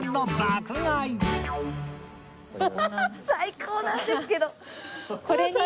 最高なんですけど。